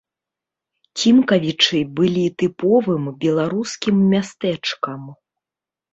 Цімкавічы былі тыповым беларускім мястэчкам.